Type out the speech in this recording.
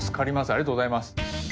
ありがとうございます。